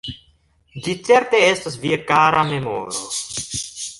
Ĝi certe estas via kara memoro.